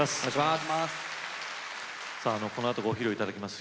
このあとご披露いただきます